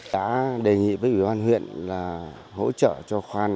đã đề nghị với ủy ban huyện là hỗ trợ cho khoan ba giếng